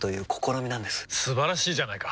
素晴らしいじゃないか！